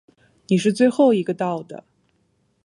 你是最后一个到的。